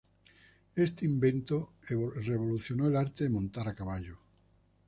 Este invento revolucionó el arte de montar a caballo.